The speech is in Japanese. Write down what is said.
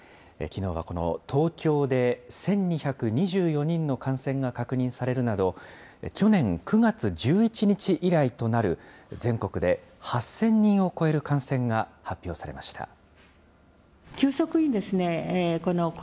きのうはこの東京で１２２４人の感染が確認されるなど、去年９月１１日以来となる、全国で８０００人を超える感染が発表されました。